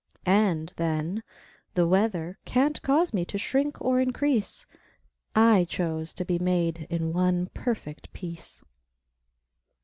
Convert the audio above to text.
And, then, The weather can't cause me to shrink or increase: I chose to be made in one perfect piece!